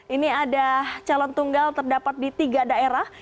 ini ada calon tunggal terdapat di tiga daerah